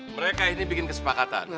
mereka ini bikin kesepakatan